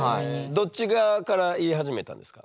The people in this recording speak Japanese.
どっち側から言い始めたんですか？